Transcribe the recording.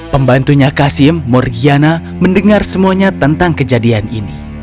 pembantunya kasim morgiana mendengar semuanya tentang kejadian ini